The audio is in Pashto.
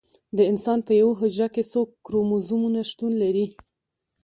د انسان په یوه حجره کې څو کروموزومونه شتون لري